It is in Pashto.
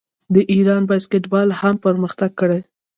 د ایران باسکیټبال هم پرمختګ کړی.